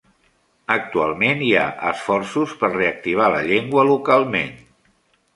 Actualment hi ha esforços per reactivar la llengua localment.